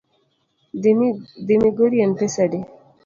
Dhi migori en pesa adi?